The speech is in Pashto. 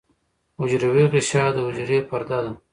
حجروی غشا د حجرې پرده ده